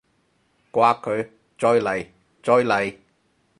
摑佢！再嚟！再嚟！